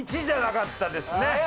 １じゃなかったですね。